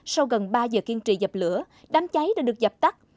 sau gần ba giờ kiên trì dập lửa đám cháy đã được dập tắt